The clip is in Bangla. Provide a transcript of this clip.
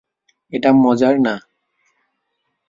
এটা মজার না!